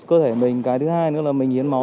cơ thể mình cái thứ hai nữa là mình hiến máu